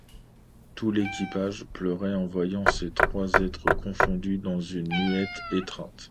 Tout l’équipage pleurait en voyant ces trois êtres confondus dans une muette étreinte.